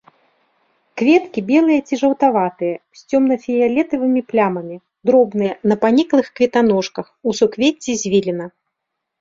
Кветкі белыя ці жаўтаватыя, з цёмна-фіялетавымі плямамі, дробныя, на паніклых кветаножках, у суквецці звіліна.